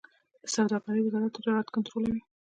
د سوداګرۍ وزارت تجارت کنټرولوي